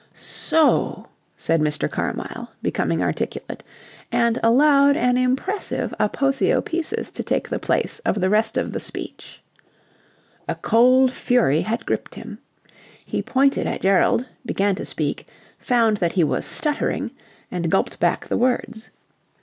"So..." said Mr. Carmyle, becoming articulate, and allowed an impressive aposiopesis to take the place of the rest of the speech. A cold fury had gripped him. He pointed at Gerald, began to speak, found that he was stuttering, and gulped back the words.